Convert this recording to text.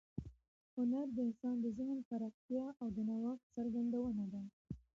هنر د انسان د ذهن پراختیا او د نوښت څرګندونه ده.